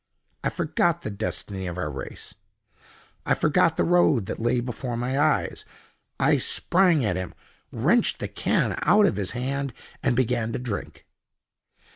I forgot the destiny of our race. I forgot the road that lay before my eyes, and I sprang at him, wrenched the can out of his hand, and began to drink.